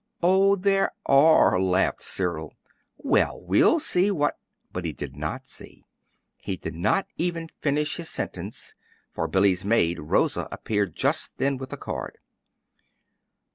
"Oh, there are," laughed Cyril. "Well, we'll see what " But he did not see. He did not even finish his sentence; for Billy's maid, Rosa, appeared just then with a card.